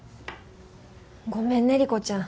ごめんね理子ちゃん。